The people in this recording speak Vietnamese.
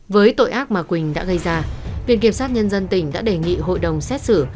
với tội ác mà quỳnh đã gây ra viện kiểm sát nhân dân tỉnh đã đề nghị hội đồng xét xử